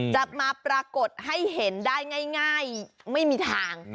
จะมาปรากฏให้เห็นได้ง่ายไม่มีทาง